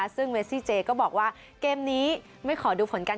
ซึ่งเมซี่เจก็บอกว่าเกมนี้ไม่ขอดูผลการ